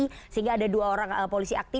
sehingga ada dua orang polisi aktif